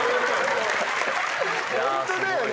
ホントだよね。